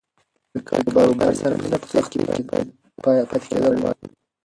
له کاروبار سره مینه په سختۍ کې پاتې کېدل غواړي.